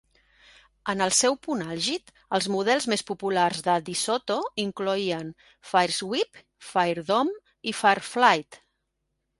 En el seu punt àlgid, els models més populars de DeSoto incloïen Firesweep, Firedome i Fireflite.